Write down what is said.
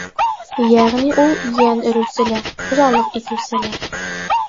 Йәғни ул — йән өрөүсе лә, хужалыҡ итеүсе лә.